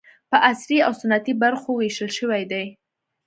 په عصري او سنتي برخو وېشل شوي دي.